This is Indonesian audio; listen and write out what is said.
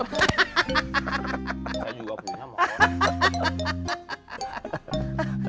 saya juga punya motor